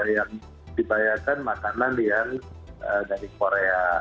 yang dibayarkan makanan yang dari korea